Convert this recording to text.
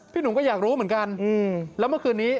หนุ่มก็อยากรู้เหมือนกันแล้วเมื่อคืนนี้